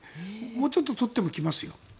もうちょっと取っても来ますよ。